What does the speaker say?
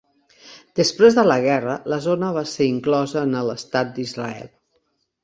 Després de la guerra, la zona va ser inclosa en l'estat d'Israel.